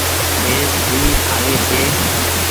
ڀيس ڀي کآوي ڇي۔